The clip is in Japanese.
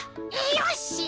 よし！